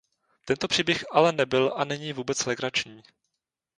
Tento příběh ale nebyl a není vůbec legrační.